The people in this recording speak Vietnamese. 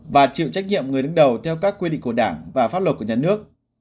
và chịu trách nhiệm người đứng đầu theo các quy định của đảng và pháp luật của nhà nước